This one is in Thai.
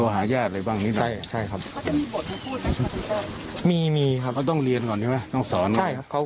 เหลือใครหนี้นะครับ